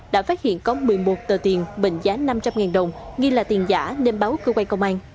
đã phát hiện có một mươi một tờ tiền mệnh giá năm trăm linh đồng nghi là tiền giả nên báo cơ quan công an